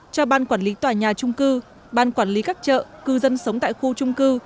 cho ban quản lý tòa nhà trung cư ban quản lý các chợ cư dân sống tại khu trung cư